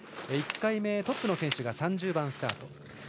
１回目トップの選手が３０番スタート。